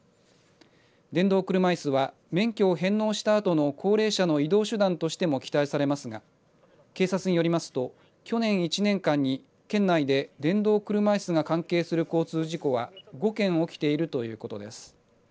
電動車いすは免許を返納したあとの高齢者の移動手段としても期待されますが警察によりますと去年１年間に県内で電動車いすが関係する交通事故は５件起きているということです。